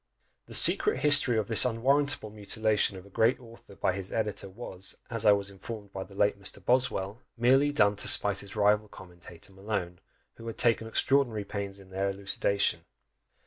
The secret history of this unwarrantable mutilation of a great author by his editor was, as I was informed by the late Mr. Boswell, merely done to spite his rival commentator Malone, who had taken extraordinary pains in their elucidation.